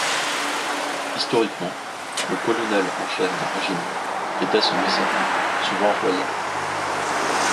Historiquement, le colonel en chef d'un régiment était son mécène, souvent royal.